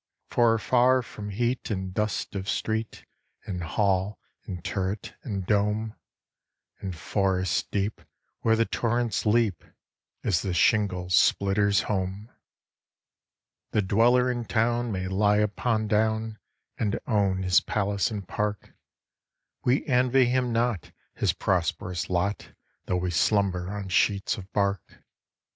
For afar from heat and dust of street, And hall and turret and dome, In forest deep, where the torrents leap, Is the shingle splitter's home. The dweller in town may lie upon down, And own his palace and park: We envy him not his prosperous lot, Though we slumber on sheets of bark.